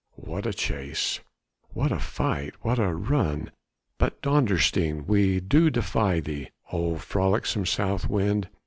What a chase! what a fight! what a run! But Dondersteen! we do defy thee, O frolicsome south wind!